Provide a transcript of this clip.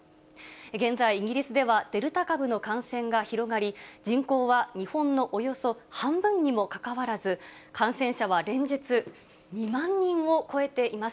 現在、イギリスではデルタ株の感染が広がり、人口は日本のおよそ半分にもかかわらず、感染者は連日、２万人を超えています。